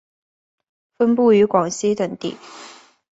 分布于广西等地。